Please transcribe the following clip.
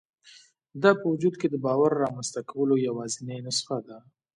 دا په وجود کې د باور رامنځته کولو یوازېنۍ نسخه ده